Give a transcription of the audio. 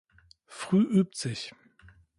Früh übt sich.